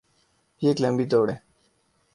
یہ ایک لمبی دوڑ ہے۔